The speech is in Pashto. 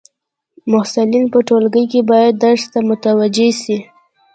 محصلین په ټولګی کي باید درس ته متوجي سي.